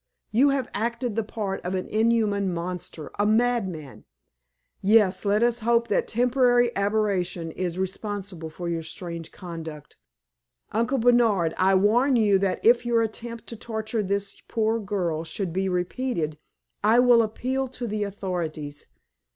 You have acted the part of an inhuman monster a madman! Yes, let us hope that temporary aberration is responsible for your strange conduct. Uncle Bernard, I warn you that if your attempt to torture this poor girl should be repeated, I will appeal to the authorities.